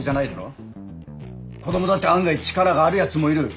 子どもだって案外力があるやつもいる。